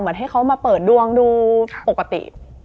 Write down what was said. เหมือนให้เขามาเปิดดวงดูปกติ